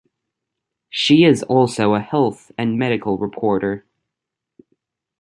She is also a health and medical reporter.